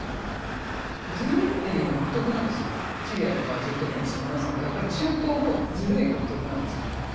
シリアとかエジプトにも住みますけどやっぱり中東も「ずるい」が美徳なんですよ。